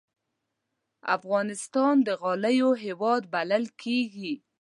افغانستان د غالیو هېواد بلل کېږي.